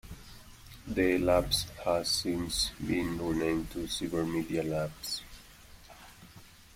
The labs has since been renamed to "Cybermedia Labs".